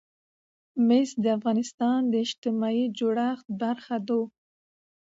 مس د افغانستان د اجتماعي جوړښت برخه ده.